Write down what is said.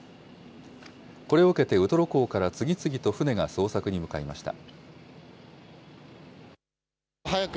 これを受けてウトロ港から次々と船が捜索に向かいました。